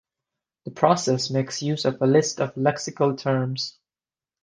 The process makes use of a list of lexical terms.